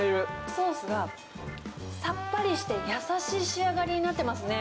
ソースがさっぱりしていて、優しい仕上がりになってますね。